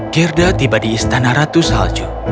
gerda tiba di istana ratu salju